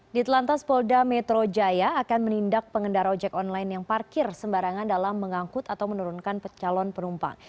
di telantas polda metro jaya akan menindak pengendara ojek online yang parkir sembarangan dalam mengangkut atau menurunkan calon penumpang